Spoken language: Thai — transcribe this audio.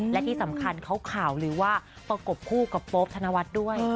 และที่สำคัญข่าวเลยว่ากบคู่กับโป๊บธนวัตรด้วย